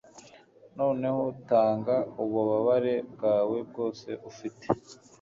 Noneho tanga ububabare bwawe bwose ufite